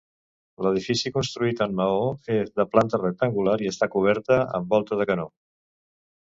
L'edifici, construït en maó, és de planta rectangular i està cobert amb volta de canó.